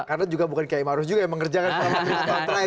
karena juga bukan kay maruf juga yang mengerjakan formatnya